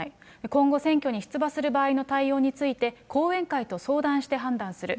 今後、選挙に出馬する場合の対応について、後援会と相談して判断する。